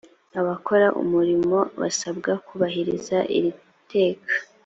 abakora umurimo basabwe kubahiriza iri teka